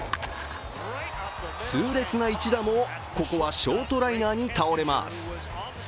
痛烈な一打もここはショートライナーに倒れます。